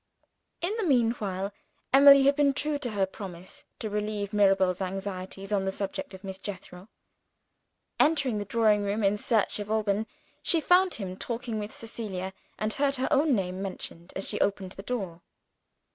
In the meanwhile Emily had been true to her promise to relieve Mirabel's anxieties, on the subject of Miss Jethro. Entering the drawing room in search of Alban, she found him talking with Cecilia, and heard her own name mentioned as she opened the door.